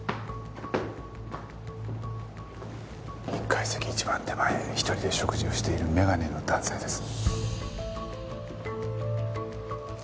１階席一番手前１人で食事をしている眼鏡の男性です。